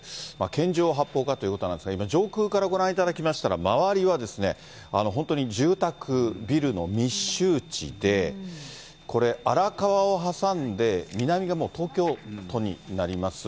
拳銃を発砲かということなんですが、今、上空からご覧いただきましたら、周りはですね、本当に住宅、ビルの密集地で、これ、荒川を挟んで南がもう東京都になります。